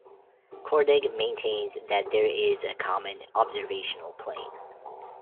Kordig maintains that there is a common observational plane.